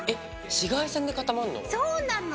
紫外線で固まんの？